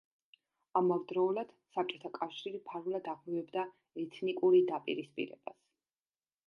ამავდროულად საბჭოთა კავშირი ფარულად აღვივებდა ეთნიკური დაპირისპირებას.